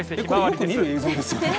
これ、よく見る映像ですよね。